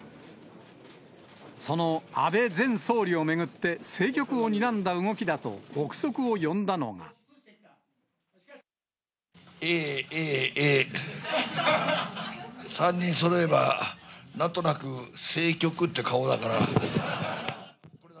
その安倍前総理を巡って政局をにらんだ動きだと臆測を呼んだＡ、Ａ、Ａ、３人そろえばなんとなく政局って顔だから。